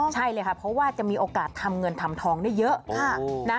ใช่เลยค่ะเพราะว่าจะมีโอกาสทำเงินทำทองได้เยอะ